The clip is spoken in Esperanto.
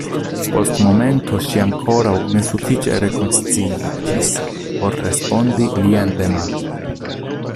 Post momento ŝi ankoraŭ ne sufiĉe rekonsciiĝis por respondi lian demandon.